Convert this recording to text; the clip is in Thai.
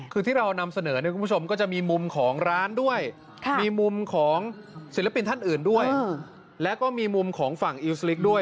คือที่เรานำเสนอเนี่ยคุณผู้ชมก็จะมีมุมของร้านด้วยมีมุมของศิลปินท่านอื่นด้วยแล้วก็มีมุมของฝั่งอิวสลิกด้วย